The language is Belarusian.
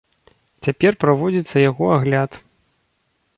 Цяпер праводзіцца яго агляд.